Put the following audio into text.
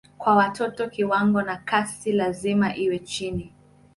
Kwa watoto kiwango na kasi lazima iwe chini.